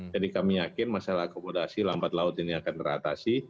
jadi kami yakin masalah akomodasi lambat laut ini akan teratasi